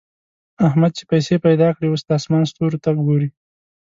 احمد چې پيسې پیدا کړې؛ اوس د اسمان ستورو ته ګوري.